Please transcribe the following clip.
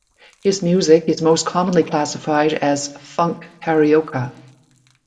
His music is most commonly classified as funk carioca.